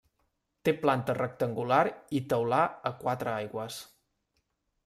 Té planta rectangular i teular a quatre aigües.